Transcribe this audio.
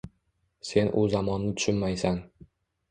Sen u zamonni tushunmaysan